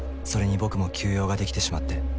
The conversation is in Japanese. それに僕も急用ができてしまって。